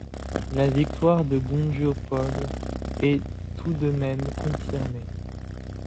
La victoire de Gondjout Paul est tout de même confirmée.